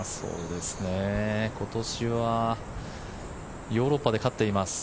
今年はヨーロッパで勝っています。